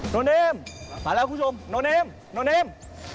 โนเนมมาแล้วคุณผู้ชมโนเนม